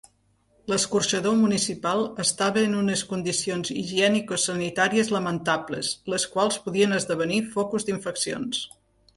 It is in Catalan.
L'escorxador municipal estava en unes condicions higienicosanitàries lamentables, les quals podien esdevenir focus d'infeccions.